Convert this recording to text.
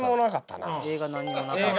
何にもなかった。